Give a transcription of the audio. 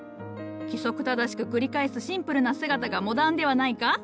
規則正しく繰り返すシンプルな姿がモダンではないか？